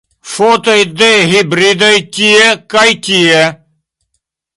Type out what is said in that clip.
Fotoj de hibridoj tie kaj tie.